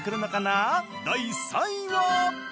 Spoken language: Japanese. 第３位は。